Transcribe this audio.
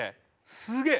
すげえ。